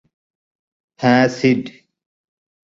হ্যা, সিড।